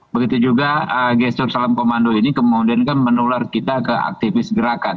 begitu juga gestur salam komando ini kemudian kan menular kita ke aktivis gerakan